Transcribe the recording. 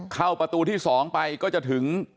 เข้าประตูที่๒ไปก็จะถึง